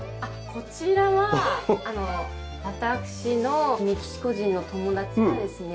こちらは私のメキシコ人の友達がですね